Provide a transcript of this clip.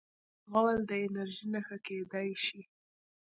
غول د الرجۍ نښه کېدای شي.